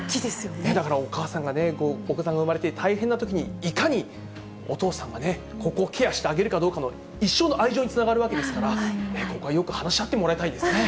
だからお母さんがね、お子さんが産まれて大変なときに、いかにお父さんがね、ここをケアしてあげるかどうかの、一生の愛情につながるわけですから、ここはよく話し合ってもらいたいですね。